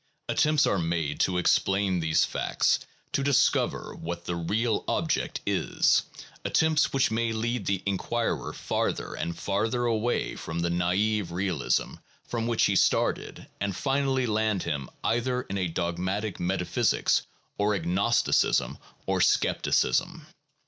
Attempts are made to explain these facts, to discover what the real object is, attempts which may lead the inquirer farther and farther away from the naive realism from which he started and finally land him either in a dogmatic metaphysics or agnosticism or scepticism.